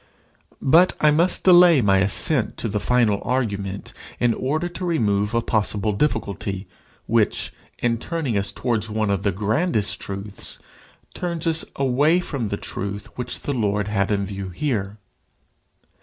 But I must delay my ascent to the final argument in order to remove a possible difficulty, which, in turning us towards one of the grandest truths, turns us away from the truth which the Lord had in view here.